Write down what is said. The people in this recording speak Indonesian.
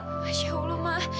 masya allah ma